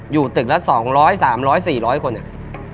อยู่ตึกละ๒๐๐๓๐๐๔๐๐คนเนี่ย